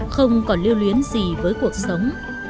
không còn lưu luyến gì với cuộc sống